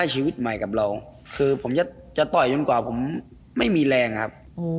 ให้ชีวิตใหม่กับเราคือกนจะต้องปล่อยจนกว่าผมไม่มีแรงนะครับ